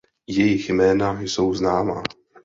Jejich jména jsou známá.